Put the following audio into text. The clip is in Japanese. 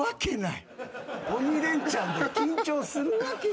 『鬼レンチャン』で緊張するわけない。